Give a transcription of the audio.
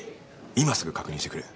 今すぐ確認してくれ。